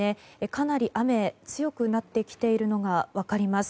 かなり雨強くなってきているのが分かります。